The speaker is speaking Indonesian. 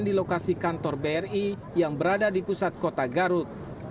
di lokasi kantor bri yang berada di pusat kota garut